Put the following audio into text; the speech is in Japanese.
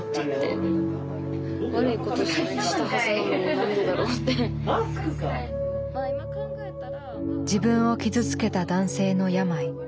何だろう自分を傷つけた男性の病。